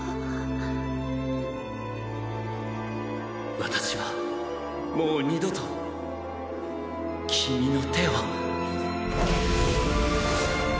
私はもう二度と君の手を。